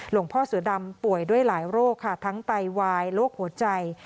พ่อเสือดำป่วยด้วยหลายโรคค่ะทั้งไตวายโรคหัวใจ